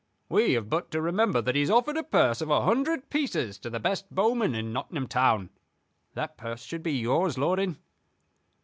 We have but to remember that he has offered a purse of a hundred pieces to the best bowman in Nottingham town. That purse should be yours, lording."